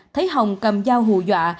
thấy hồng cầm dao hù dọa